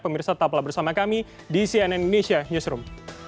pemirsa tetaplah bersama kami di cnn indonesia newsroom